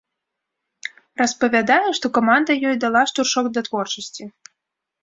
Распавядае, што каманда ёй дала штуршок да творчасці.